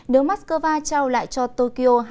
nếu moscow trao lại cho tokyo